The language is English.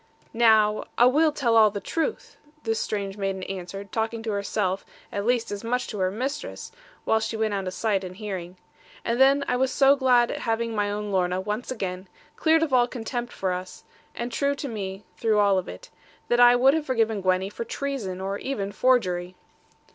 'Now, a will tell all the truth,' this strange maiden answered, talking to herself at least as much as to her mistress, while she went out of sight and hearing. And then I was so glad at having my own Lorna once again, cleared of all contempt for us, and true to me through all of it, that I would have forgiven Gwenny for treason, or even forgery.